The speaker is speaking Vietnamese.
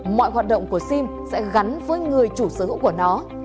mọi hoạt động của sim sẽ gắn với người chủ sở hữu của nó